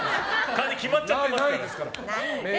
決まっちゃってますから。